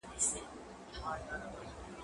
زه خواړه نه ورکوم؟